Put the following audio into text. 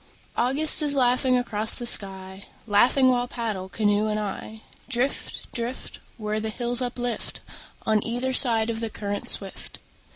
August is laughing across the sky, Laughing while paddle, canoe and I, Drift, drift, Where the hills uplift On either side of the current swift.